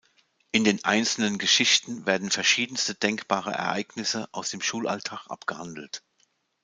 In den einzelnen Geschichten werden verschiedenste denkbare Ereignisse aus dem Schulalltag abgehandelt.